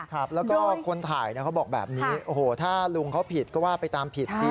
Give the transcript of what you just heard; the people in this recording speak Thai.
ครับแล้วก็คนถ่ายเขาบอกแบบนี้โอ้โหถ้าลุงเขาผิดก็ว่าไปตามผิดสิ